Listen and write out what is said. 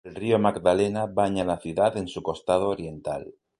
El río Magdalena baña a la ciudad en su costado oriental.